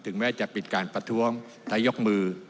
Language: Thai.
แม้จะปิดการประท้วงถ้ายกมือ